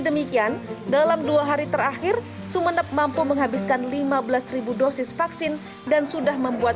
demikian dalam dua hari terakhir sumeneb mampu menghabiskan lima belas dosis vaksin dan sudah membuat